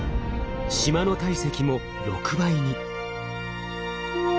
島の体積も６倍に。